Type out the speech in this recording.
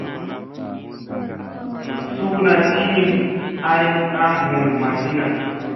Suuna tinim ay a mul mazina.